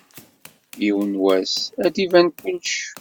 Yiwan wass, ad d-iban kullec.